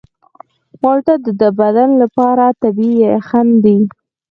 مالټه د بدن لپاره طبیعي یخن دی.